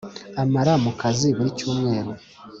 amara mu kazi buri cyumweru